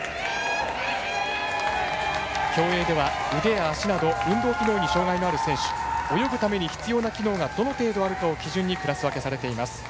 競泳では腕や足など運動機能に障がいのある選手泳ぐために必要な機能がどの程度あるかを基準にクラス分けされています。